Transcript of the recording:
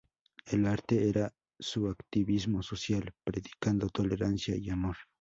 El arte era su activismo social, predicando tolerancia y amor.